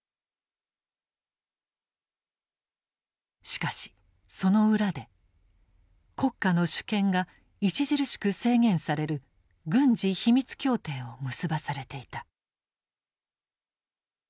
しかしその裏で国家の主権が著しく制限される軍事秘密協定を結ばされていた。